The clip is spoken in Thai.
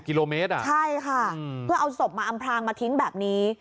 กิโลเมตรอ่ะใช่ค่ะเพื่อเอาศพมาอำพลางมาทิ้งแบบนี้